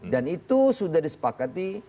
dan itu sudah disepakati